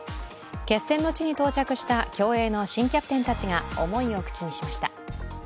決戦の地に到着した競泳の新キャプテンたちが思いを口にしました。